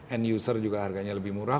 end user juga harganya lebih murah